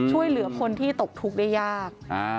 ช่วยเหลือคนที่ตกทุกข์ได้ยาก